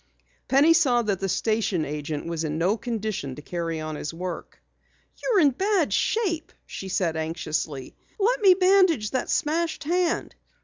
Penny saw that the station agent was in no condition to carry on his work. "You're in bad shape," she said anxiously. "Let me bandage that smashed hand."